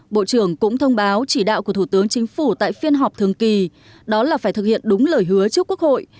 bộ trưởng cũng thông báo chỉ đạo của thủ tướng chính phủ tại phiên họp thường kỳ đó là phải thực hiện đúng lời hứa trước quốc hội